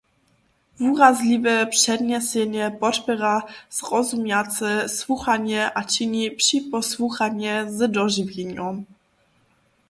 Wurazliwe přednjesenje podpěra zrozumjace słuchanje a čini připosłuchanje z dožiwjenjom.